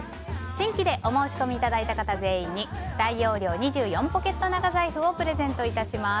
新規でお申し込みいただいた方全員に大容量２４ポケット長財布をプレゼントいたします。